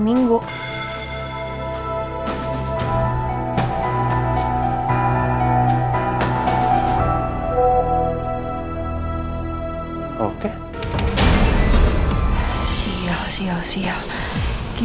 biar gua bisa nolak permintaan riki